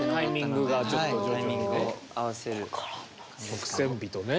曲線美とね。